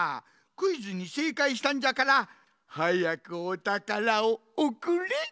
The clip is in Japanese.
クイズにせいかいしたんじゃからはやくおたからをおくれ！